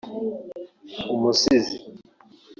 umusizi